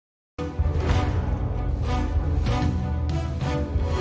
อันนี้เริ่มต้นเมื่อวันที่สามกุมภาพันธ์สองพันห้าร้อยหกสิบเอ็ด